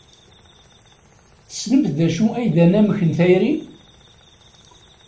Tessnemt d acu ay d anamek n tayri?